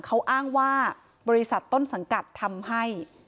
เขาอ้างว่าบริษัทต้นสังกัดทำให้